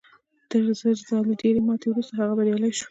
تر زر ځله ډېرې ماتې وروسته هغه بریالی شو